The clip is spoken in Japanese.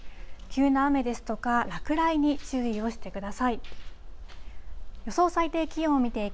急な雨ですとか、落雷に注意をしてください。